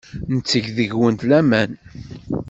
Netteg deg-went laman.